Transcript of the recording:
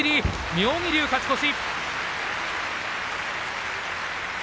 妙義龍、勝ち越し。